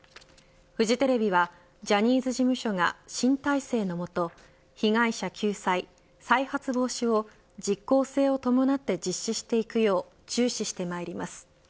フジテレビはジャニーズ事務所が新体制の下被害者救済再発防止を実効性を伴って実施していくよう注視してまいります。